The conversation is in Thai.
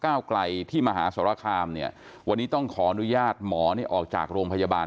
ไกลที่มหาสรคามเนี่ยวันนี้ต้องขออนุญาตหมอนี่ออกจากโรงพยาบาล